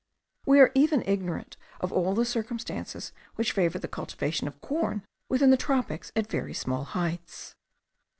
We are even ignorant of all the circumstances which favour the culture of corn within the tropics at very small heights.